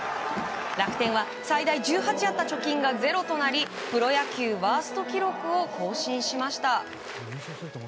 楽天は最大１８あった貯金が０となりプロ野球ワースト記録を更新しました。